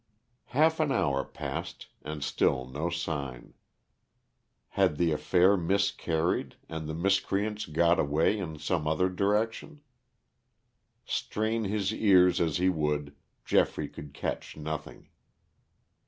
Half an hour passed and still no sign. Had the affair miscarried and the miscreants got away in some other direction? Strain his ears as he would, Geoffrey could catch nothing.